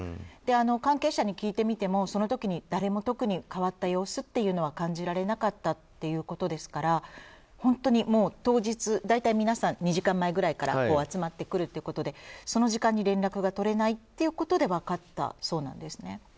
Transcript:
関係者に聞いてみてもその時に誰も特に変わった様子は感じられなかったということですから本当に当日大体、皆さん２時間前くらいから集まってくるということでその時間に連絡が取れないということで分かったそうなんです。